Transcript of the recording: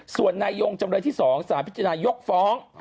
ส่วนนายยงจำเลยที่๒สารพิจารณายกฟ้อง